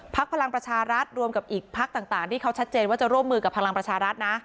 พลังประชารัฐรวมกับอีกพักต่างที่เขาชัดเจนว่าจะร่วมมือกับพลังประชารัฐนะ